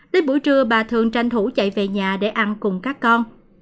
đến buổi trưa bà thường tranh thủ chạy về nhà để ăn cùng các con